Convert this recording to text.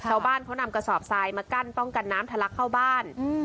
ชาวบ้านเขานำกระสอบทรายมากั้นป้องกันน้ำทะลักเข้าบ้าน